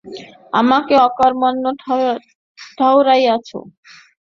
আমাকে অকর্মণ্য ঠাওরাইয়াছ!